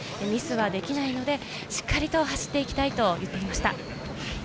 ミスはできないので、しっかりと走っていきたいと言っていました。